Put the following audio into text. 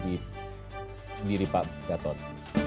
ini diri pak gatot